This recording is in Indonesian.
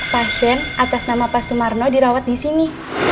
pasien atas nama pak sumarno dirawat disini